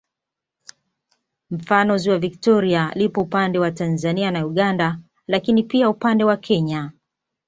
Mfano ziwa Viktoria lipo upande wa Tanzania na Uganda lakini pia upande wa Kenya